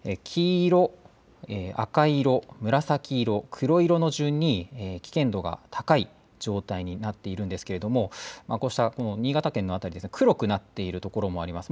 黄色、赤色、紫色黒色の順に危険度が高い状態になっているんですが新潟県の辺り黒くなってる所もあります。